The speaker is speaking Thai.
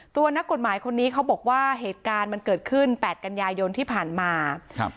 ตัวนักกฎหมายคนนี้เขาบอกว่าเหตุการณ์มันเกิดขึ้นแปดกันยายนที่ผ่านมาครับ